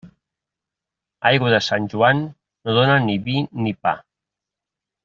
Aigua de Sant Joan, no dóna ni vi ni pa.